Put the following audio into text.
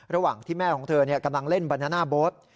ระหว่างที่แม่ของเธอกำลังเล่นบานาน่าโบ๊ท